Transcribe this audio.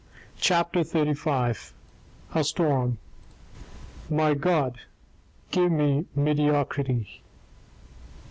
CHAPTER LXV A STORM My God, give me mediocrity.